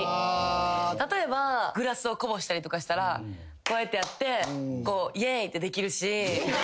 例えばグラスをこぼしたりとかしたらこうやってやってイェーイってできるし。